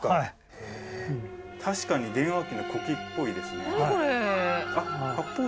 へえ確かに電話機の子機っぽいですね。